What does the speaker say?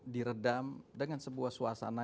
diredam dengan sebuah suasana